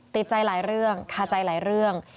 ติดใจหลายเรื่องคาใจหลายเรื่อง